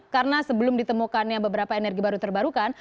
karena sebelum ditemukannya beberapa energi baru terbarukan